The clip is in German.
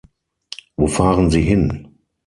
Wo fahren Sie hin?